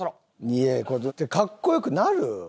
いやこれ格好良くなる？